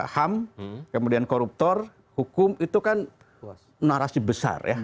ham kemudian koruptor hukum itu kan narasi besar ya